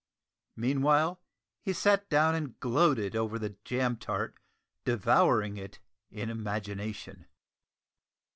Meanwhile, he sat down and gloated over the jam tart, devouring it in imagination.